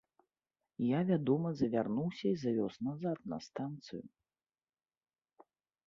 Я, вядома, завярнуўся і завёз назад на станцыю.